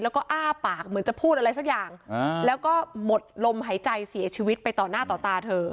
แล้วก็อ้าปากเหมือนจะพูดอะไรสักอย่างแล้วก็หมดลมหายใจเสียชีวิตไปต่อหน้าต่อตาเธอ